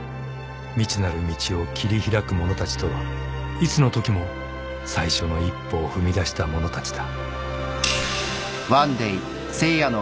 ［未知なる道を切り開く者たちとはいつのときも最初の一歩を踏み出した者たちだ］